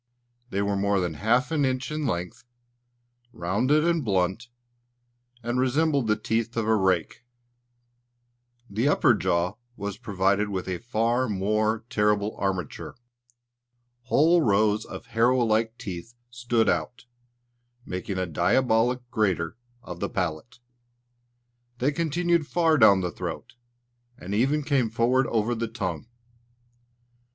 They were more than half an inch in length, rounded and blunt, and resembled the teeth of a rake. The upper jaw was provided with a far more terrible armature. Whole rows of harrow like teeth stood out, making a diabolical grater of the palate. They continued far down the throat, and even came forward over the tongue.